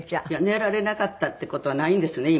寝られなかったって事はないんですね